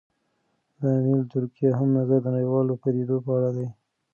د امیل دورکهايم نظر د نړیوالو پدیدو په اړه دی.